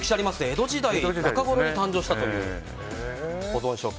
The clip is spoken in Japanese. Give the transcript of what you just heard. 江戸時代中ごろに誕生したという保存食。